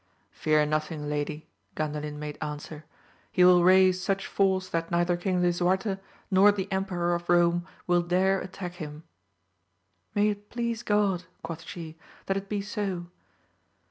Fear nothing, lady, Gandalin made answer, he will raise such force that neither King Lisuarte nor the Emperor of Kome will dare attack him. May it please God, quoth she, that it be so